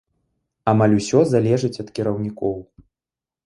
Амаль усё залежыць ад кіраўнікоў.